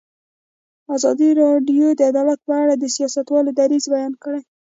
ازادي راډیو د عدالت په اړه د سیاستوالو دریځ بیان کړی.